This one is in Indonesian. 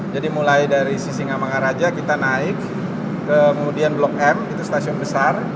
jadi mulai dari sisingamangaraja kita naik kemudian blok m itu stasiun besar